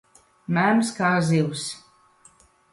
Mēms kā zivs.